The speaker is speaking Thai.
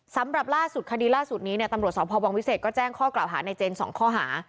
สำหรับคดีล่าสุดนี้ตำรวจสพวิเศษก็แจ้งข้อกล่าวหาในเจน๒ข้อหา